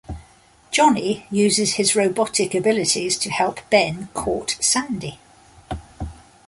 Johnny uses his robotic abilities to help Ben court Sandy.